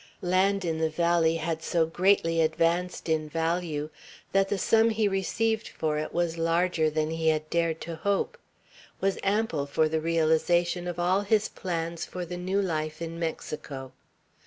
Land in the valley had so greatly advanced in value, that the sum he received for it was larger than he had dared to hope; was ample for the realization of all his plans for the new life in Mexico.